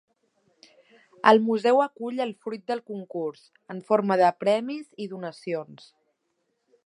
El Museu acull el fruit del Concurs, en forma de premis i donacions.